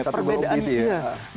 satu belom titik ya